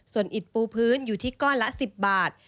ส่วนอิดปูพื้นอยู่ที่ก้อนละ๑๐บาท